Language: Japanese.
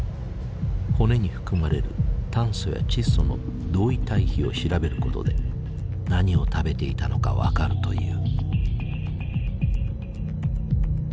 骨に含まれる炭素や窒素の同位体比を調べることで何を食べていたのか分かるという。